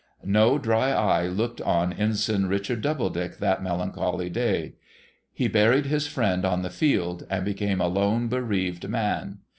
No dry eye looked on Ensign Richard Doubledick that melancholy day. He buried his friend on the field, and became a lone, bereaved man.